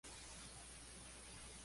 De ahí su vocación posterior.